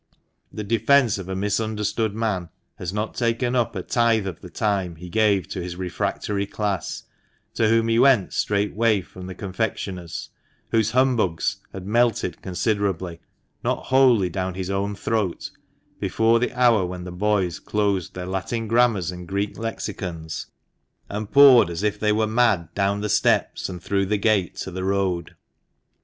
This defence of a misunderstood man has not taken up a tithe of the time he gave to his refractory class, to whom he went straightway from the confectioner's, whose "humbugs" had melted considerably, not wholly down his own throat, before the hour when the boys closed their Latin Grammars and Greek Lexicons, and poured as if they were mad down the steps, and through the gate, to the road.